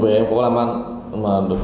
về em có làm ăn